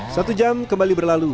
satu jam kembali berlalu